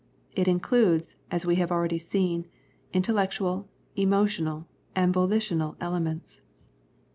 It includes, as we have already seen, intellectual, emotional, and volitional elements.